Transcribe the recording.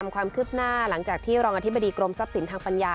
ความคืบหน้าหลังจากที่รองอธิบดีกรมทรัพย์สินทางปัญญา